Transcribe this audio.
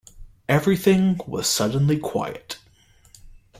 Everything was suddenly quiet.